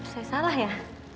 saya salah ya